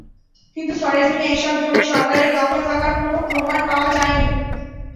কিন্তু সরেজমিনে এসব জমি সরকারের দখলে থাকার কোনো প্রমাণ পাওয়া যায়নি।